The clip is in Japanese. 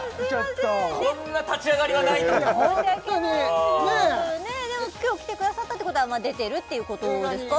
こんな立ち上がりはないとでも今日来てくださったってことは出てるってことですか？